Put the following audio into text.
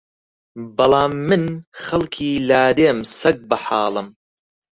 بەڵام من خەڵکی لادێم سەگ بەحاڵم